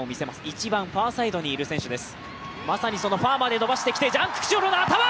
一番ファーサイドにいる選手です。